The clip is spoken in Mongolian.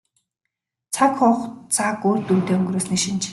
Цаг хугацааг үр дүнтэй өнгөрөөсний шинж.